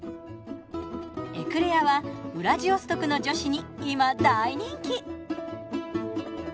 エクレアはウラジオストクの女子にいま大人気。